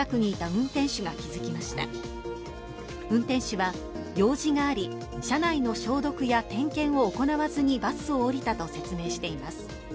運転手は、用事があり車内の消毒や点検を行わずにバスを降りたと説明しています。